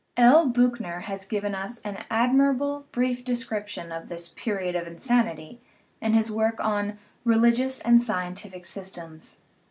L. Biichner has given us an admirable, brief description of this "period of insanity" in his work on Religious and Scientific Systems.